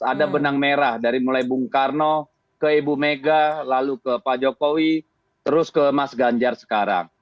ada benang merah dari mulai bung karno ke ibu mega lalu ke pak jokowi terus ke mas ganjar sekarang